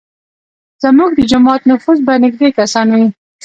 زموږ د جومات نفوس به نیږدی کسان وي.